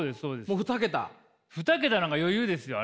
もう２桁？２桁なんか余裕ですよ。